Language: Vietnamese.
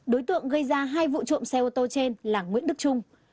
đối tượng gây ra hai vụ trộm xe ô tô trên là nguyễn đức trung